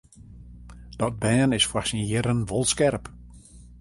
Dat bern is foar syn jierren wol skerp.